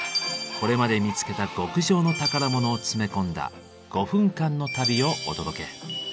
これまで見つけた極上の宝物を詰め込んだ５分間の旅をお届け。